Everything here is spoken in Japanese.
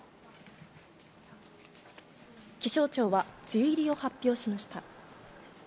気象庁は梅雨入りを発表しました。